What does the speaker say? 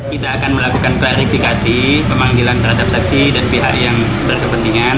kita akan melakukan klarifikasi pemanggilan terhadap saksi dan pihak yang berkepentingan